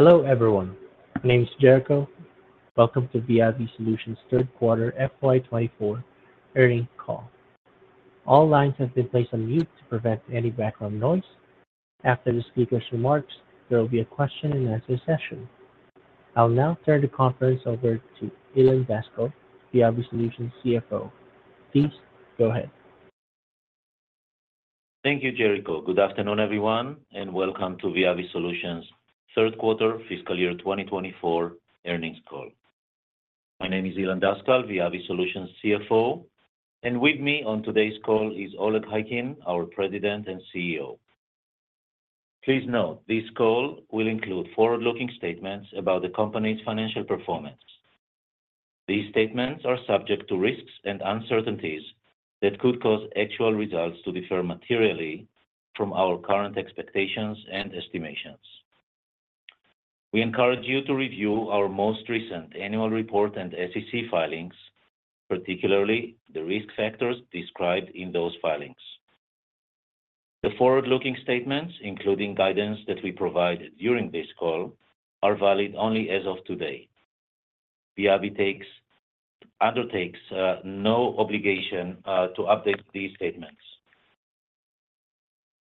Hello everyone, my name's Jericho. Welcome to VIAVI Solutions' third-quarter FY 2024 earnings call. All lines have been placed on mute to prevent any background noise. After the speaker's remarks, there will be a question-and-answer session. I'll now turn the conference over to Ilan Daskal, VIAVI Solutions CFO. Please go ahead. Thank you, Jericho. Good afternoon everyone, and welcome to VIAVI Solutions' third-quarter fiscal year 2024 earnings call. My name is Ilan Daskal, VIAVI Solutions' CFO, and with me on today's call is Oleg Khaykin, our President and CEO. Please note this call will include forward-looking statements about the company's financial performance. These statements are subject to risks and uncertainties that could cause actual results to differ materially from our current expectations and estimations. We encourage you to review our most recent annual report and SEC filings, particularly the risk factors described in those filings. The forward-looking statements, including guidance that we provide during this call, are valid only as of today. VIAVI undertakes no obligation to update these statements.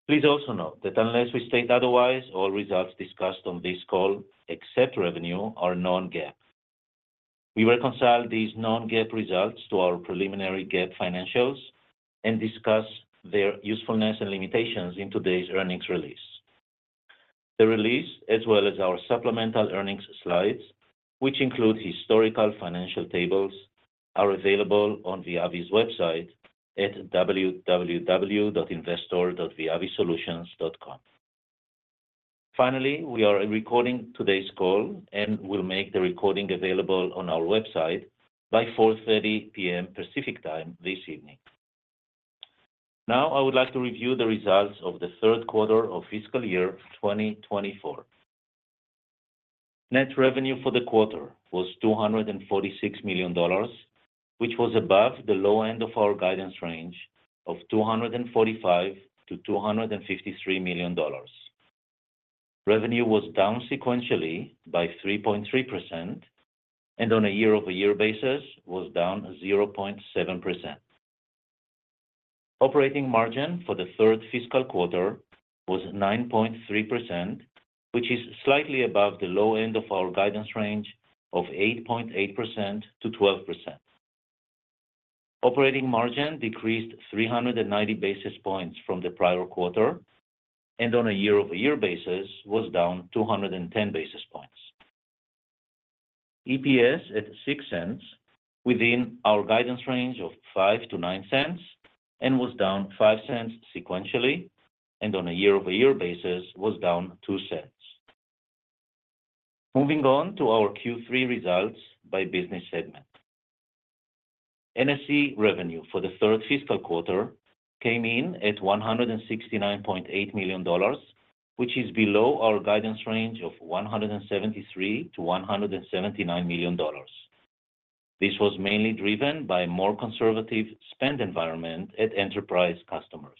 Please also note that unless we state otherwise, all results discussed on this call, except revenue, are non-GAAP. We reconcile these non-GAAP results to our preliminary GAAP financials and discuss their usefulness and limitations in today's earnings release. The release, as well as our supplemental earnings slides, which include historical financial tables, are available on VIAVI's website at www.investor.viavisolutions.com. Finally, we are recording today's call and will make the recording available on our website by 4:30 P.M. Pacific Time this evening. Now I would like to review the results of the third quarter of fiscal year 2024. Net revenue for the quarter was $246 million, which was above the low end of our guidance range of $245 million-$253 million. Revenue was down sequentially by 3.3%, and on a year-over-year basis was down 0.7%. Operating margin for the third fiscal quarter was 9.3%, which is slightly above the low end of our guidance range of 8.8%-12%. Operating margin decreased 390 basis points from the prior quarter, and on a year-over-year basis was down 210 basis points. EPS at $0.06, within our guidance range of $0.05-$0.09, and was down $0.05 sequentially, and on a year-over-year basis was down $0.02. Moving on to our Q3 results by business segment. NSE revenue for the third fiscal quarter came in at $169.8 million, which is below our guidance range of $173 million-$179 million. This was mainly driven by a more conservative spend environment at enterprise customers.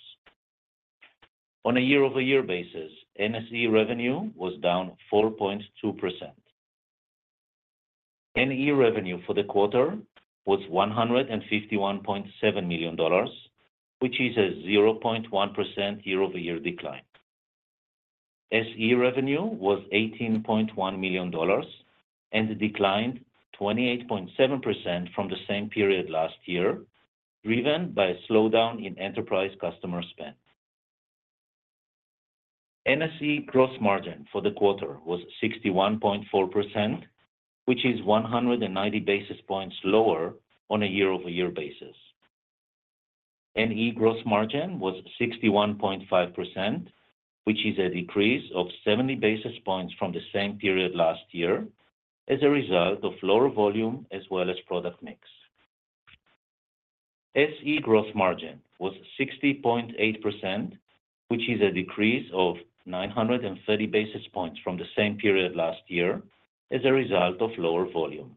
On a year-over-year basis, NSE revenue was down 4.2%. NE revenue for the quarter was $151.7 million, which is a 0.1% year-over-year decline. SE revenue was $18.1 million and declined 28.7% from the same period last year, driven by a slowdown in enterprise customer spend. NSE gross margin for the quarter was 61.4%, which is 190 basis points lower on a year-over-year basis. NE gross margin was 61.5%, which is a decrease of 70 basis points from the same period last year as a result of lower volume as well as product mix. SE gross margin was 60.8%, which is a decrease of 930 basis points from the same period last year as a result of lower volume.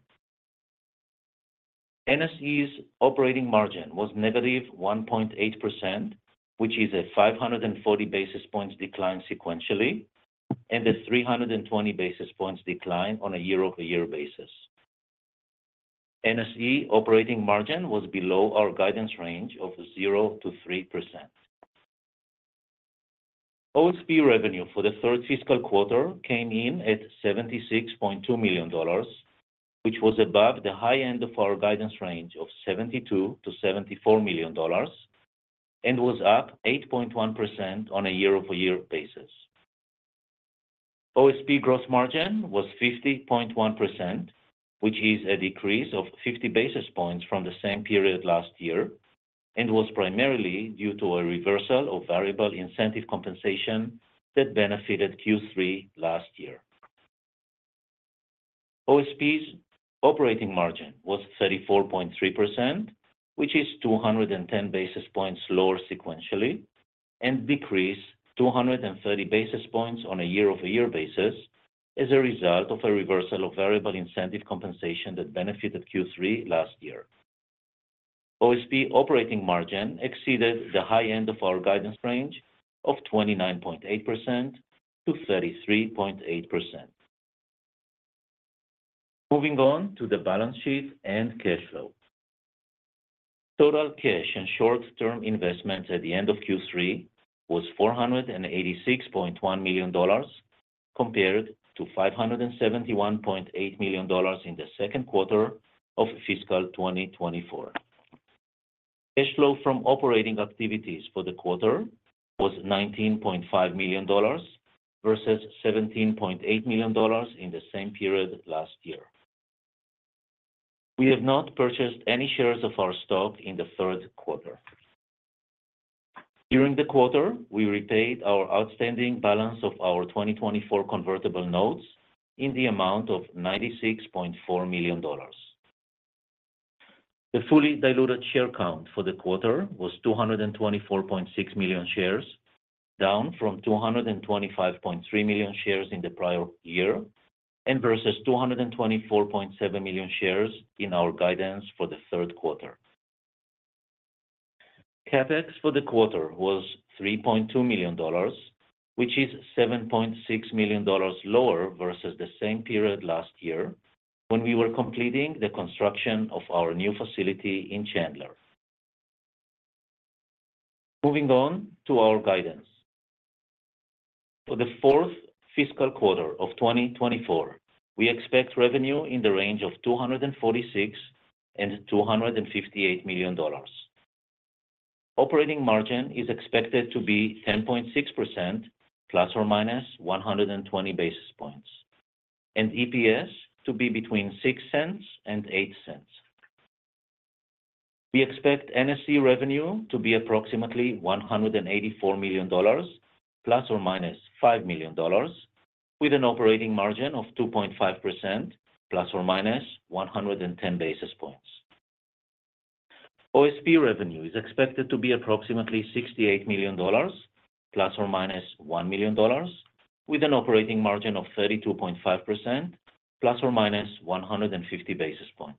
NSE's operating margin was -1.8%, which is a 540 basis points decline sequentially, and a 320 basis points decline on a year-over-year basis. NSE operating margin was below our guidance range of 0%-3%. OSP revenue for the third fiscal quarter came in at $76.2 million, which was above the high end of our guidance range of $72 million-$74 million, and was up 8.1% on a year-over-year basis. OSP gross margin was 50.1%, which is a decrease of 50 basis points from the same period last year and was primarily due to a reversal of variable incentive compensation that benefited Q3 last year. OSP's operating margin was 34.3%, which is 210 basis points lower sequentially, and decreased 230 basis points on a year-over-year basis as a result of a reversal of variable incentive compensation that benefited Q3 last year. OSP operating margin exceeded the high end of our guidance range of 29.8%-33.8%. Moving on to the balance sheet and cash flow. Total cash and short-term investments at the end of Q3 was $486.1 million compared to $571.8 million in the second quarter of fiscal 2024. Cash flow from operating activities for the quarter was $19.5 million versus $17.8 million in the same period last year. We have not purchased any shares of our stock in the third quarter. During the quarter, we repaid our outstanding balance of our 2024 convertible notes in the amount of $96.4 million. The fully diluted share count for the quarter was 224.6 million shares, down from 225.3 million shares in the prior year and versus 224.7 million shares in our guidance for the third quarter. CapEx for the quarter was $3.2 million, which is $7.6 million lower versus the same period last year when we were completing the construction of our new facility in Chandler. Moving on to our guidance. For the fourth fiscal quarter of 2024, we expect revenue in the range of $246 million-$258 million. Operating margin is expected to be 10.6%± 120 basis points, and EPS to be between $0.06 and $0.08. We expect NSE revenue to be approximately $184 million ± $5 million, with an operating margin of 2.5% ± 110 basis points. OSP revenue is expected to be approximately $68 million ± $1 million, with an operating margin of 32.5% ± 150 basis points.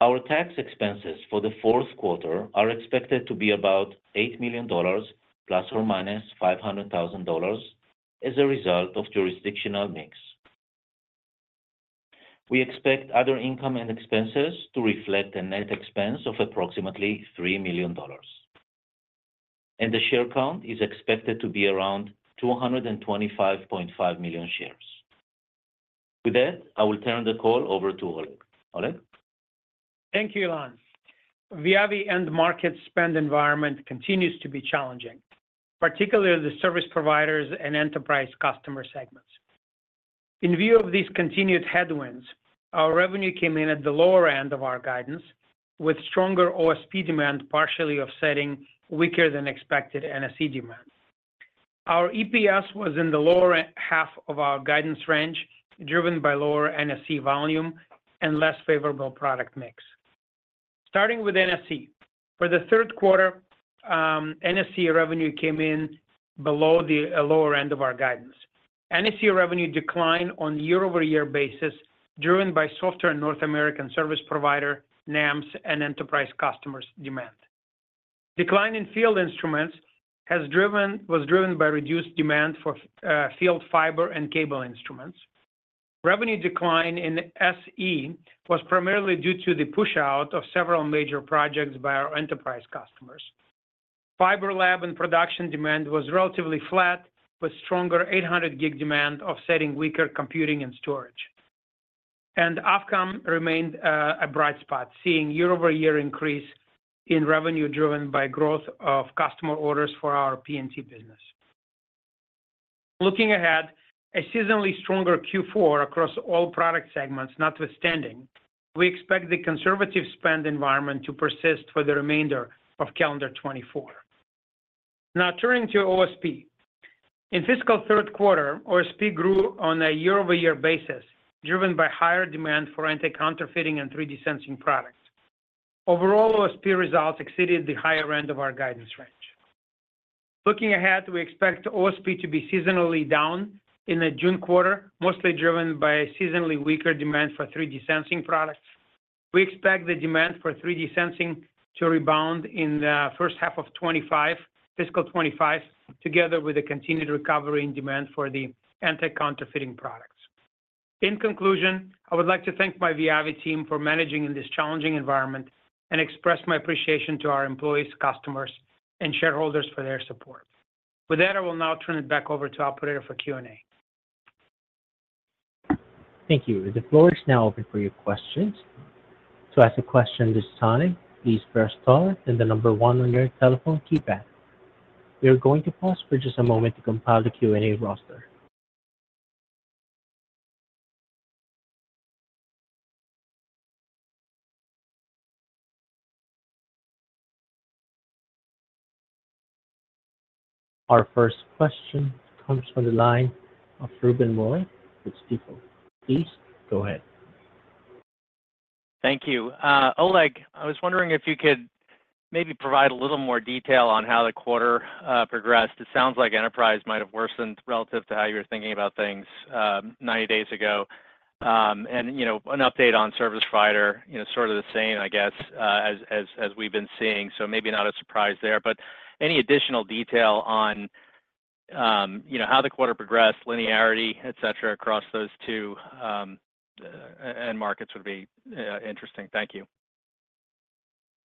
Our tax expenses for the fourth quarter are expected to be about $8 million ± $500,000 as a result of jurisdictional mix. We expect other income and expenses to reflect a net expense of approximately $3 million, and the share count is expected to be around 225.5 million shares. With that, I will turn the call over to Oleg. Oleg? Thank you, Ilan. VIAVI and market spend environment continues to be challenging, particularly the service providers and enterprise customer segments. In view of these continued headwinds, our revenue came in at the lower end of our guidance, with stronger OSP demand partially offsetting weaker-than-expected NSE demand. Our EPS was in the lower half of our guidance range, driven by lower NSE volume and less favorable product mix. Starting with NSE, for the third quarter, NSE revenue came in below the lower end of our guidance. NSE revenue declined on a year-over-year basis, driven by softer North American service provider NEMs and enterprise customers' demand. Decline in field instruments was driven by reduced demand for field fiber and cable instruments. Revenue decline in SE was primarily due to the push-out of several major projects by our enterprise customers. Fiber lab and production demand was relatively flat, with stronger 800-gig demand offsetting weaker computing and storage. AvComm remained a bright spot, seeing year-over-year increase in revenue driven by growth of customer orders for our PNT business. Looking ahead, a seasonally stronger Q4 across all product segments notwithstanding, we expect the conservative spend environment to persist for the remainder of calendar 2024. Now, turning to OSP. In fiscal third quarter, OSP grew on a year-over-year basis, driven by higher demand for anti-counterfeiting and 3D sensing products. Overall, OSP results exceeded the higher end of our guidance range. Looking ahead, we expect OSP to be seasonally down in the June quarter, mostly driven by seasonally weaker demand for 3D sensing products. We expect the demand for 3D sensing to rebound in the first half of 2025, fiscal 2025, together with a continued recovery in demand for the anti-counterfeiting products. In conclusion, I would like to thank my VIAVI team for managing in this challenging environment and express my appreciation to our employees, customers, and shareholders for their support. With that, I will now turn it back over to Operator for Q&A. Thank you. The floor is now open for your questions. To ask a question this time, please press 100 and the number 1 on your telephone keypad. We are going to pause for just a moment to compile the Q&A roster. Our first question comes from the line of Ruben Roy with Stifel. Please go ahead. Thank you. Oleg, I was wondering if you could maybe provide a little more detail on how the quarter progressed. It sounds like enterprise might have worsened relative to how you were thinking about things 90 days ago. And an update on service provider, sort of the same, I guess, as we've been seeing, so maybe not a surprise there. But any additional detail on how the quarter progressed, linearity, etc., across those two end markets would be interesting. Thank you.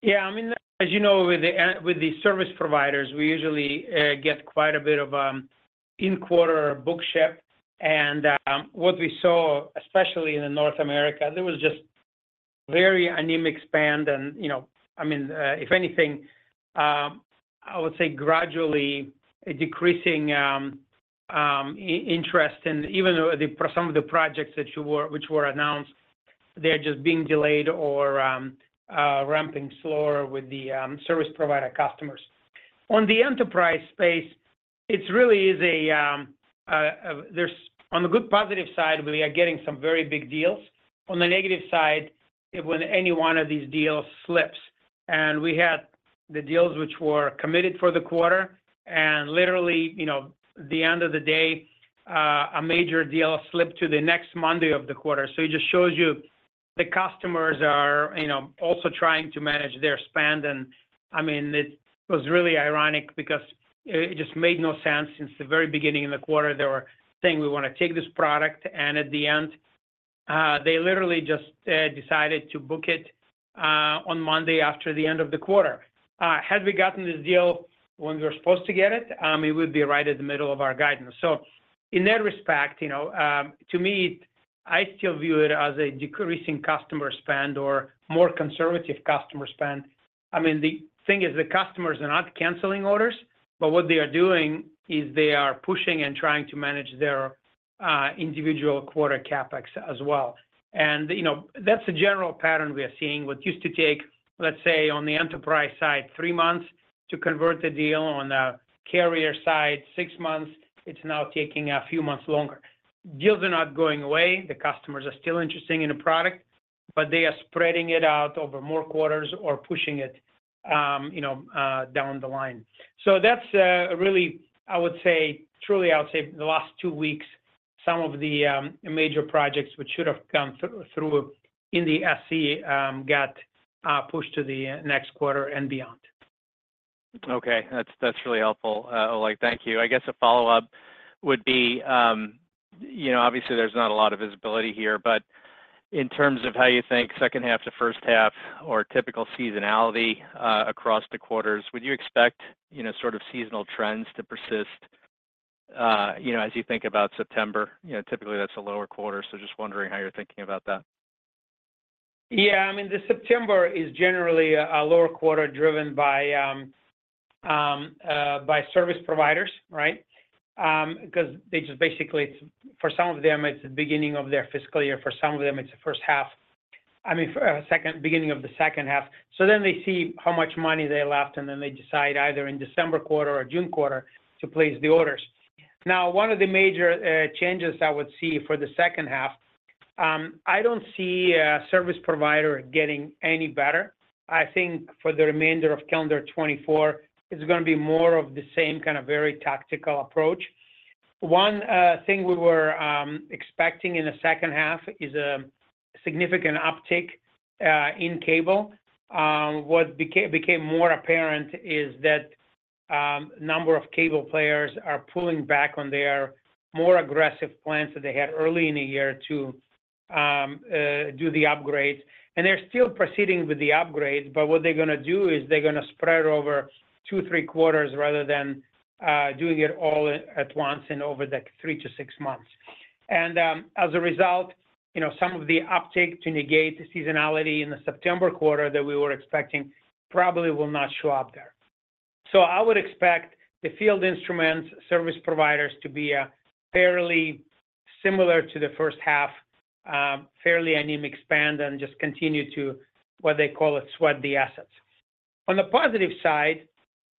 Yeah. I mean, as you know, with the service providers, we usually get quite a bit of in-quarter bookship. And what we saw, especially in North America, there was just very anemic spend. And I mean, if anything, I would say gradually a decreasing interest in even some of the projects that were announced; they're just being delayed or ramping slower with the service provider customers. On the enterprise space, it really is a, on the good positive side, we are getting some very big deals. On the negative side, when any one of these deals slips. And we had the deals which were committed for the quarter, and literally, at the end of the day, a major deal slipped to the next Monday of the quarter. So it just shows you the customers are also trying to manage their spend. And I mean, it was really ironic because it just made no sense since the very beginning of the quarter, they were saying, "We want to take this product." And at the end, they literally just decided to book it on Monday after the end of the quarter. Had we gotten this deal when we were supposed to get it, it would be right at the middle of our guidance. So in that respect, to me, I still view it as a decreasing customer spend or more conservative customer spend. I mean, the thing is, the customers are not canceling orders, but what they are doing is they are pushing and trying to manage their individual quarter CapEx as well. And that's a general pattern we are seeing. What used to take, let's say, on the enterprise side, three months to convert a deal. On the carrier side, six months. It's now taking a few months longer. Deals are not going away. The customers are still interested in the product, but they are spreading it out over more quarters or pushing it down the line. So that's really, I would say, truly, I would say, the last two weeks, some of the major projects which should have gone through in the SE got pushed to the next quarter and beyond. Okay. That's really helpful, Oleg. Thank you. I guess a follow-up would be obviously, there's not a lot of visibility here, but in terms of how you think second half to first half or typical seasonality across the quarters, would you expect sort of seasonal trends to persist as you think about September? Typically, that's a lower quarter, so just wondering how you're thinking about that. Yeah. I mean, September is generally a lower quarter driven by service providers, right? Because they just basically, for some of them, it's the beginning of their fiscal year. For some of them, it's the first half I mean, beginning of the second half. So then they see how much money they left, and then they decide either in December quarter or June quarter to place the orders. Now, one of the major changes I would see for the second half, I don't see a service provider getting any better. I think for the remainder of calendar 2024, it's going to be more of the same kind of very tactical approach. One thing we were expecting in the second half is a significant uptick in cable. What became more apparent is that a number of cable players are pulling back on their more aggressive plans that they had early in the year to do the upgrades. They're still proceeding with the upgrades, but what they're going to do is they're going to spread it over 2-3 quarters rather than doing it all at once and over the 3-6 months. As a result, some of the uptick to negate the seasonality in the September quarter that we were expecting probably will not show up there. I would expect the field instruments service providers to be fairly similar to the first half, fairly anemic spend, and just continue to, what they call it, sweat the assets. On the positive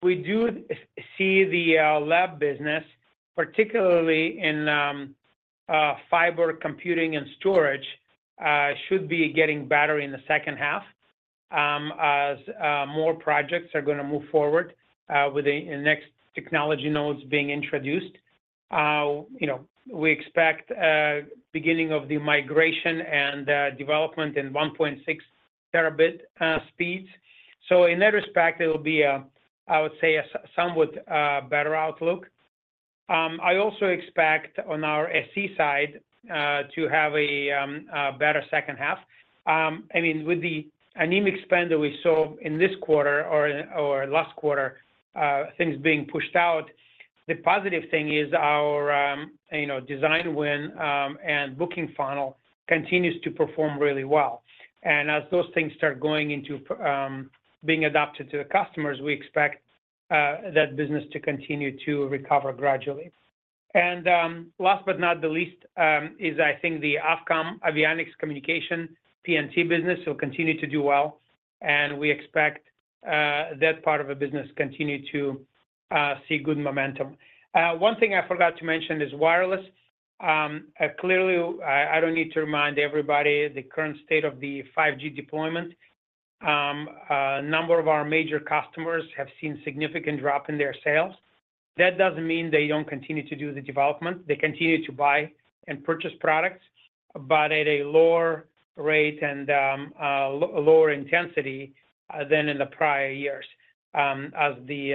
side, we do see the lab business, particularly in fiber computing and storage, should be getting better in the second half as more projects are going to move forward with the next technology nodes being introduced. We expect the beginning of the migration and development in 1.6 terabit speeds. So in that respect, it will be, I would say, a somewhat better outlook. I also expect on our SE side to have a better second half. I mean, with the anemic spend that we saw in this quarter or last quarter, things being pushed out, the positive thing is our design win and booking funnel continues to perform really well. And as those things start going into being adopted to the customers, we expect that business to continue to recover gradually. Last but not the least is, I think, the PNT, Avionics Communication, PNT business will continue to do well. We expect that part of the business to continue to see good momentum. One thing I forgot to mention is wireless. Clearly, I don't need to remind everybody the current state of the 5G deployment. A number of our major customers have seen a significant drop in their sales. That doesn't mean they don't continue to do the development. They continue to buy and purchase products, but at a lower rate and lower intensity than in the prior years as the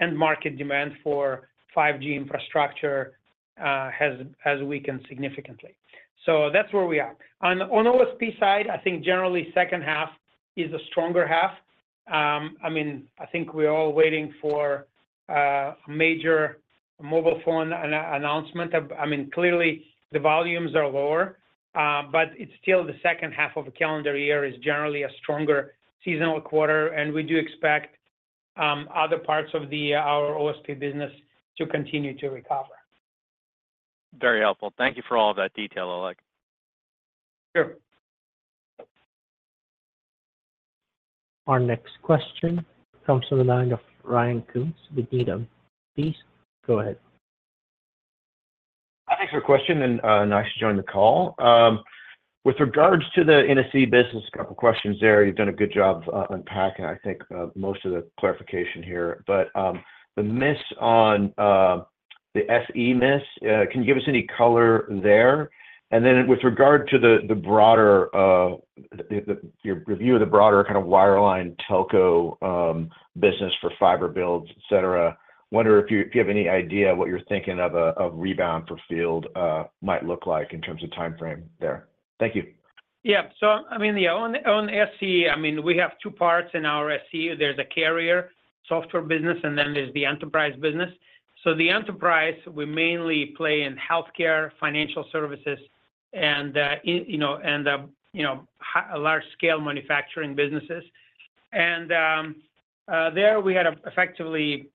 end market demand for 5G infrastructure has weakened significantly. So that's where we are. On OSP side, I think generally, second half is a stronger half. I mean, I think we're all waiting for a major mobile phone announcement. I mean, clearly, the volumes are lower, but it's still the second half of a calendar year is generally a stronger seasonal quarter. We do expect other parts of our OSP business to continue to recover. Very helpful. Thank you for all of that detail, Oleg. Sure. Our next question comes from the line of Ryan Koontz with Needham. Please go ahead. Thanks for the question, and nice to join the call. With regards to the NSE business, a couple of questions there. You've done a good job unpacking, I think, most of the clarification here. But the miss on the SE miss, can you give us any color there? And then with regard to the broader your review of the broader kind of wireline telco business for fiber builds, etc., wonder if you have any idea what you're thinking of a rebound for field might look like in terms of timeframe there. Thank you. Yeah. So I mean, yeah, on SE, I mean, we have two parts in our SE. There's a carrier software business, and then there's the enterprise business. So the enterprise, we mainly play in healthcare, financial services, and large-scale manufacturing businesses. And there, we had effectively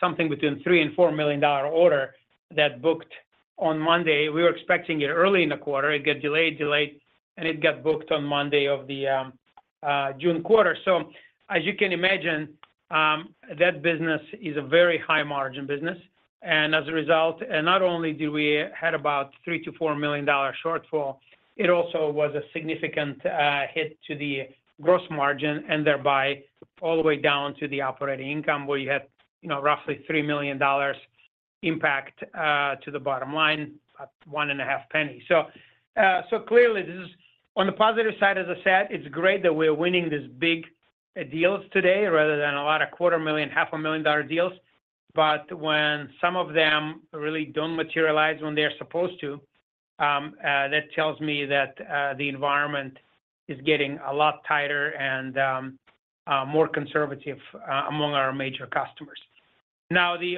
something between a $3 million-$4 million order that booked on Monday. We were expecting it early in the quarter. It got delayed, delayed, and it got booked on Monday of the June quarter. So as you can imagine, that business is a very high-margin business. And as a result, not only did we have about a $3 million-$4 million shortfall, it also was a significant hit to the gross margin and thereby all the way down to the operating income where you had roughly $3 million impact to the bottom line, about $0.015. So clearly, this is on the positive side, as I said, it's great that we're winning these big deals today rather than a lot of $250,000, $500,000 dollar deals. But when some of them really don't materialize when they're supposed to, that tells me that the environment is getting a lot tighter and more conservative among our major customers. Now, the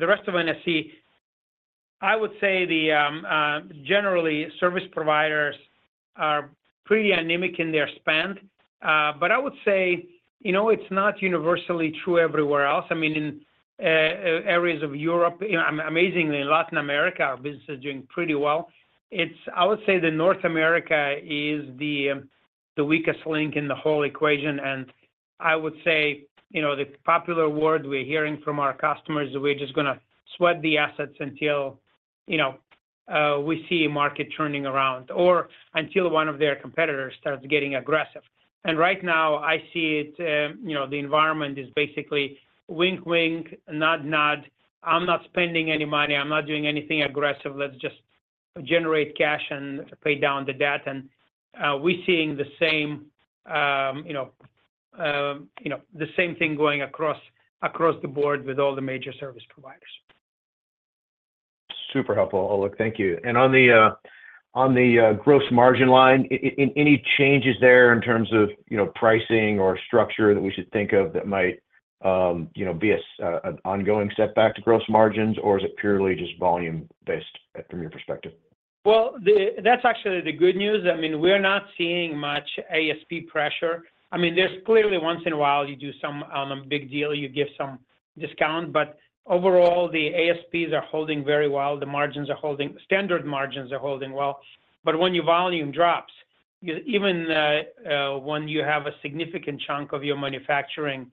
rest of NSE, I would say generally, service providers are pretty anemic in their spend. But I would say it's not universally true everywhere else. I mean, in areas of Europe, amazingly, in Latin America, our business is doing pretty well. I would say that North America is the weakest link in the whole equation. I would say the popular word we're hearing from our customers is we're just going to sweat the assets until we see a market turning around or until one of their competitors starts getting aggressive. And right now, I see it the environment is basically wink-wink, nod-nod. I'm not spending any money. I'm not doing anything aggressive. Let's just generate cash and pay down the debt. And we're seeing the same the same thing going across the board with all the major service providers. Super helpful, Oleg. Thank you. And on the gross margin line, any changes there in terms of pricing or structure that we should think of that might be an ongoing setback to gross margins, or is it purely just volume-based from your perspective? Well, that's actually the good news. I mean, we're not seeing much ASP pressure. I mean, there's clearly once in a while you do some on a big deal, you give some discount. But overall, the ASPs are holding very well. The standard margins are holding well. But when your volume drops, even when you have a significant chunk of your manufacturing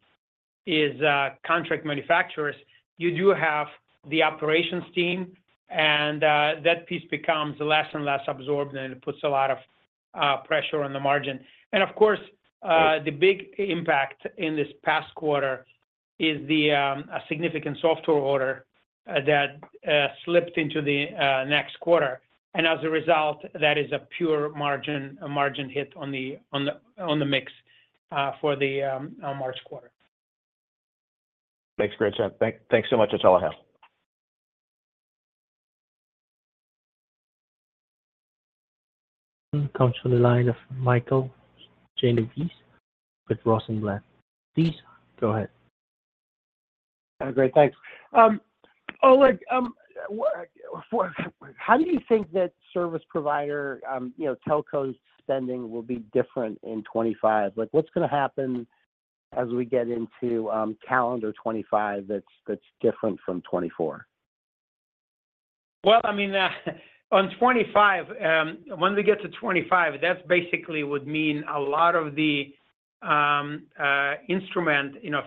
is contract manufacturers, you do have the operations team, and that piece becomes less and less absorbed, and it puts a lot of pressure on the margin. And of course, the big impact in this past quarter is a significant software order that slipped into the next quarter. And as a result, that is a pure margin hit on the mix for the March quarter. Thanks, great chat. Thanks so much. That's all I have. Comes from the line of Michael Genovese with Rosenblatt. Please go ahead. Great. Thanks. Oleg, how do you think that service provider telcos spending will be different in 2025? What's going to happen as we get into calendar 2025 that's different from 2024? Well, I mean, on 2025, when we get to 2025, that basically would mean a lot of the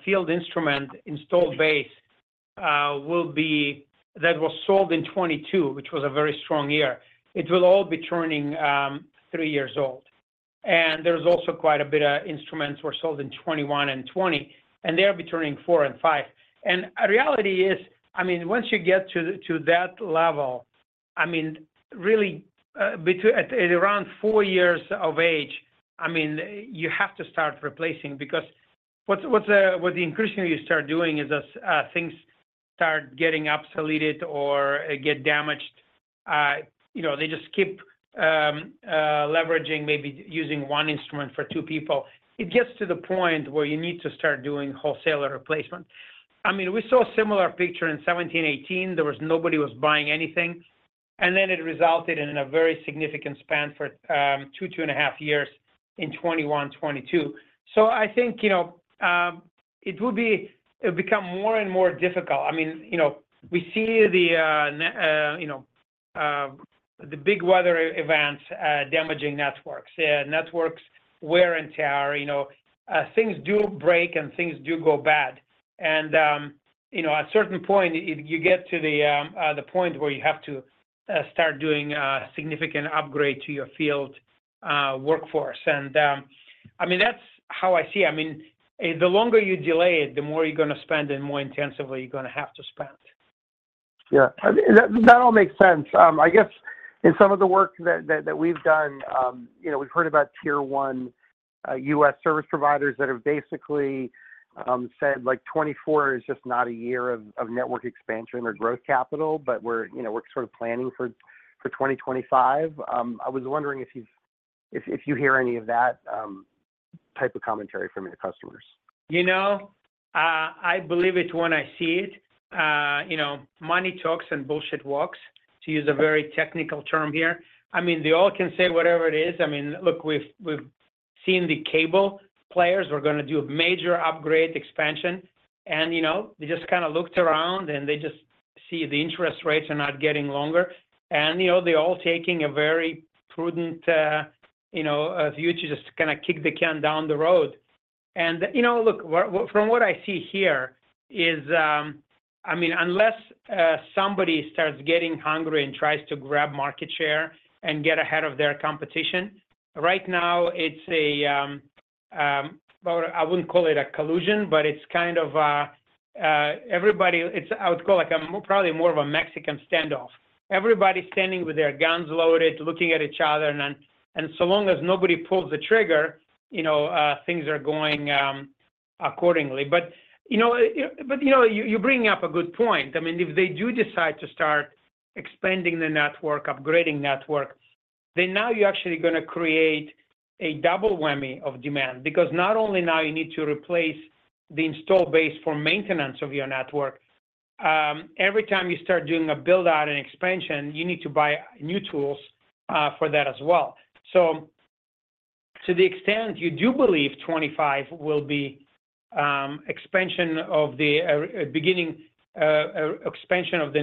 field instrument installed base that was sold in 2022, which was a very strong year, it will all be turning three years old. And there's also quite a bit of instruments were sold in 2021 and 2020, and they're returning four and five. And the reality is, I mean, once you get to that level, I mean, really, at around 4 years of age, I mean, you have to start replacing because what the increasingly you start doing is as things start getting obsoleted or get damaged, they just keep leveraging, maybe using one instrument for two people. It gets to the point where you need to start doing wholesale replacement. I mean, we saw a similar picture in 2017-18. Nobody was buying anything. And then it resulted in a very significant spend for 2, 2.5 years in 2021, 2022. So I think it would become more and more difficult. I mean, we see the big weather events damaging networks, networks wear and tear. Things do break, and things do go bad. At a certain point, you get to the point where you have to start doing a significant upgrade to your field workforce. I mean, that's how I see it. I mean, the longer you delay it, the more you're going to spend, and more intensively you're going to have to spend. Yeah. That all makes sense. I guess in some of the work that we've done, we've heard about tier one U.S. service providers that have basically said "2024 is just not a year of network expansion or growth capital, but we're sort of planning for 2025." I was wondering if you hear any of that type of commentary from your customers? I believe it when I see it. Money talks and bullshit walks, to use a very technical term here. I mean, they all can say whatever it is. I mean, look, we've seen the cable players. We're going to do a major upgrade, expansion. And they just kind of looked around, and they just see the interest rates are not getting longer. And they're all taking a very prudent view to just kind of kick the can down the road. And look, from what I see here is, I mean, unless somebody starts getting hungry and tries to grab market share and get ahead of their competition, right now, it's a I wouldn't call it a collusion, but it's kind of everybody I would call it probably more of a Mexican standoff. Everybody standing with their guns loaded, looking at each other. So long as nobody pulls the trigger, things are going accordingly. But you bring up a good point. I mean, if they do decide to start expanding the network, upgrading network, then now you're actually going to create a double whammy of demand because not only now you need to replace the install base for maintenance of your network, every time you start doing a build-out and expansion, you need to buy new tools for that as well. So to the extent you do believe 2025 will be beginning expansion of the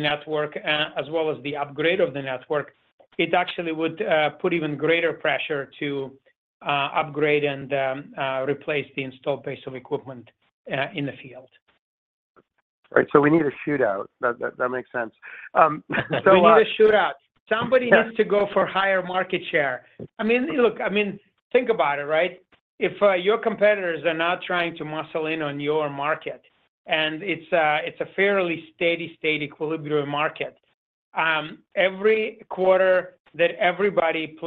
network as well as the upgrade of the network, it actually would put even greater pressure to upgrade and replace the install base of equipment in the field. Right. So we need a shootout. That makes sense. So. We need a shootout. Somebody needs to go for higher market share. I mean, look, I mean, think about it, right? If your competitors are not trying to muscle in on your market, and it's a fairly steady equilibrium market, every quarter that everybody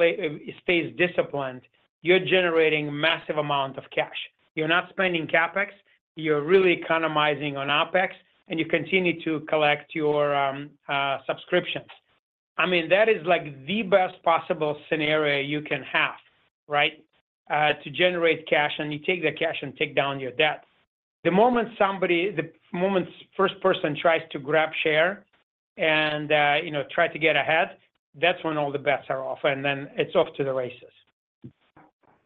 stays disciplined, you're generating a massive amount of cash. You're not spending CapEx. You're really economizing on OpEx, and you continue to collect your subscriptions. I mean, that is the best possible scenario you can have, right, to generate cash. And you take the cash and take down your debt. The moment somebody first person tries to grab share and try to get ahead, that's when all the bets are off, and then it's off to the races.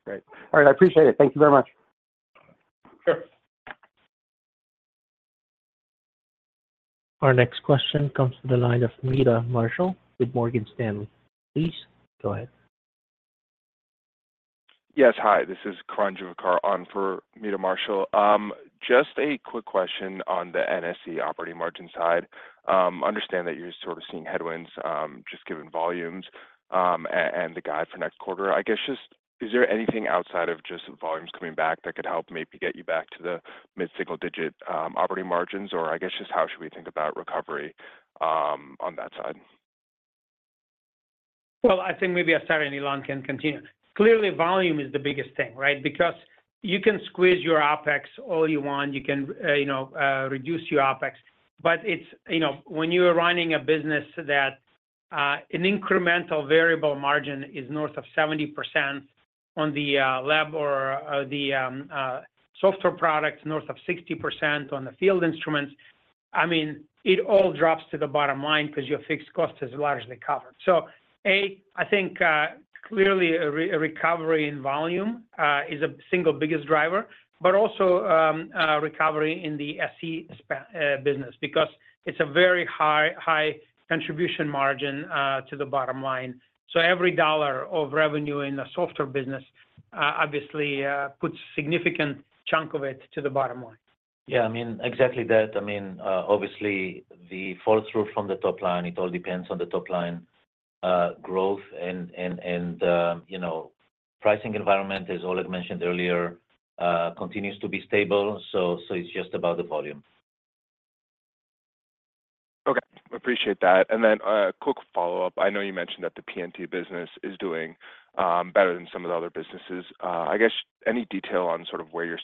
Great. All right. I appreciate it. Thank you very much. Sure. Our next question comes from the line of Meta Marshall with Morgan Stanley. Please go ahead. Yes. Hi. This is Karan Juvekar on for Meta Marshall. Just a quick question on the NSE operating margin side. I understand that you're sort of seeing headwinds just given volumes and the guide for next quarter. I guess just is there anything outside of just volumes coming back that could help maybe get you back to the mid-single digit operating margins, or I guess just how should we think about recovery on that side? Well, I think maybe I'll start, and Ilan can continue. Clearly, volume is the biggest thing, right, because you can squeeze your OpEx all you want. You can reduce your OpEx. But when you're running a business that an incremental variable margin is north of 70% on the lab or the software products, north of 60% on the field instruments, I mean, it all drops to the bottom line because your fixed cost is largely covered. So A, I think clearly, recovery in volume is a single biggest driver, but also recovery in the SE business because it's a very high contribution margin to the bottom line. So every dollar of revenue in a software business obviously puts a significant chunk of it to the bottom line. Yeah. I mean, exactly that. I mean, obviously, the fall through from the top line, it all depends on the top line growth. Pricing environment, as Oleg mentioned earlier, continues to be stable. It's just about the volume. Okay. Appreciate that. And then a quick follow-up. I know you mentioned that the PNT business is doing better than some of the other businesses. I guess any detail on sort of where you're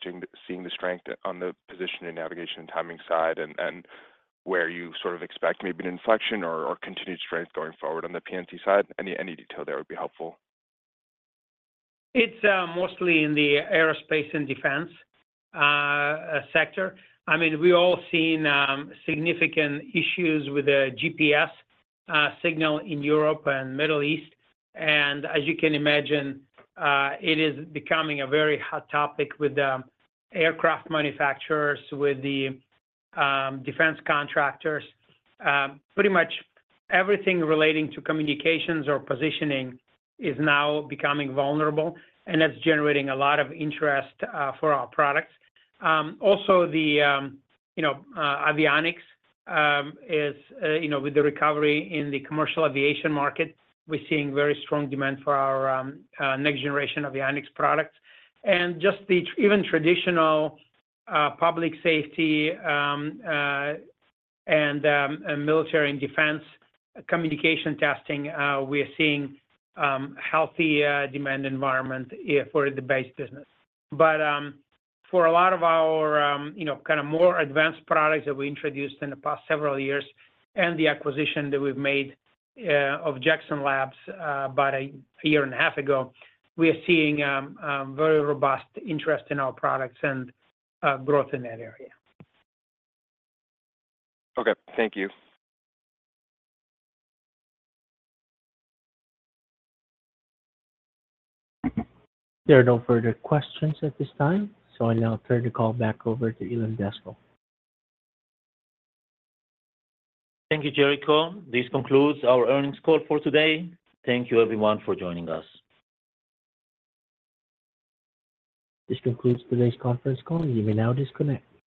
seeing the strength on the positioning navigation and timing side and where you sort of expect maybe an inflection or continued strength going forward on the PNT side? Any detail there would be helpful. It's mostly in the aerospace and defense sector. I mean, we've all seen significant issues with the GPS signal in Europe and Middle East. And as you can imagine, it is becoming a very hot topic with aircraft manufacturers, with the defense contractors. Pretty much everything relating to communications or positioning is now becoming vulnerable, and that's generating a lot of interest for our products. Also, the avionics is with the recovery in the commercial aviation market. We're seeing very strong demand for our next generation avionics products. And just even traditional public safety and military and defense communication testing, we're seeing a healthy demand environment for the base business. But for a lot of our kind of more advanced products that we introduced in the past several years and the acquisition that we've made of Jackson Labs about a year and a half ago, we are seeing very robust interest in our products and growth in that area. Okay. Thank you. There are no further questions at this time. So I now turn the call back over to Ilan Daskal. Thank you, Jericho. This concludes our earnings call for today. Thank you, everyone, for joining us. This concludes today's conference call. You may now disconnect.